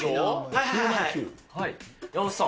山本さん。